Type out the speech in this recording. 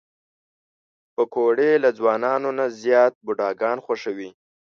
پکورې له ځوانانو نه زیات بوډاګان خوښوي